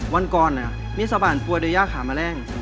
วันก่อนมีสะบานปลวยด้วยยาข้ามแมลง